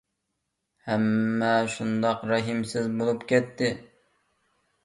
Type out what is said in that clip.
ھەممە شۇنداق رەھىمسىز بولۇپ كەتتى.